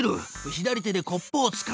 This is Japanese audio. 左手でコップをつかむ！